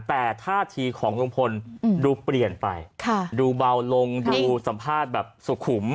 แต่ท่าทีของลุงพลดูเปลี่ยนไปดูเบาลงดูสัมภาษณ์แบบสุขุม